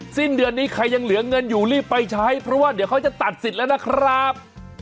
สิ้นเดือนนี้ใครยังเหลือเงินอยู่รีบไปใช้เพราะว่าเดี๋ยวเขาจะตัดสิทธิ์แล้วนะครับ